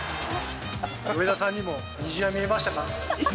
上田さんにも虹は見えましたか？